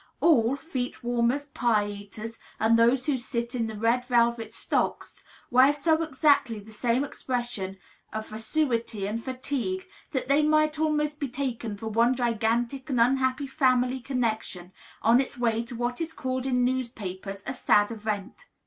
All, feet warmers, pie eaters, and those who sit in the red velvet stocks, wear so exactly the same expression of vacuity and fatigue that they might almost be taken for one gigantic and unhappy family connection, on its way to what is called in newspapers "a sad event."